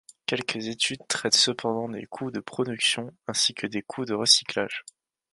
Quelques études traîtent cependant des coûts de production ainsi que des coûts de recyclage.